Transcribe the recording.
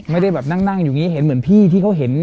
ไม่ได้แบบนั่งอยู่อย่างนี้เห็นเหมือนพี่ที่เขาเห็น